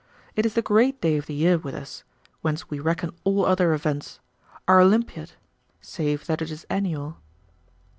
It is the great day of the year with us, whence we reckon all other events, our Olympiad, save that it is annual."